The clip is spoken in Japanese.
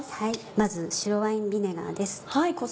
まず白ワインビネガーです。